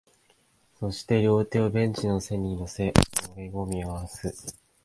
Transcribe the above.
そして、両手をベンチの背に乗せ、公園を見回す